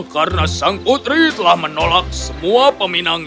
karena sang putri telah menolak semua peminangan